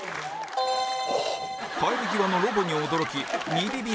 帰り際のロボに驚き２ビビリ目